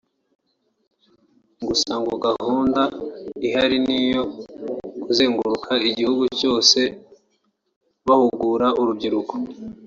gusa ngo gahunda ihari niyo kuzenguruka igihugu cyose bahugura urubyiruko